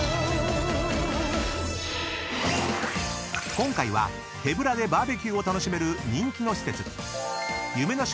［今回は手ぶらでバーベキューを楽しめる人気の施設夢の島